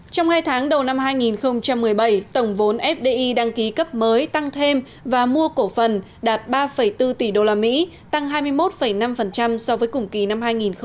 trong hai tháng đầu năm hai nghìn một mươi bảy tổng vốn fdi đăng ký cấp mới tăng thêm và mua cổ phần đạt ba bốn tỷ usd tăng hai mươi một năm so với cùng kỳ năm hai nghìn một mươi bảy